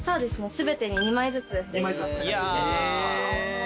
全てに２枚ずつ。